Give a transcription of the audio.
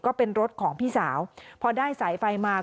ก็เป็นรถของพี่สาวพอได้สายไฟมา